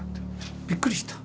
びっくりした。